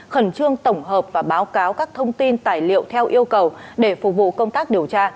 khẩn trương tổng hợp và báo cáo các thông tin tài liệu theo yêu cầu để phục vụ công tác điều tra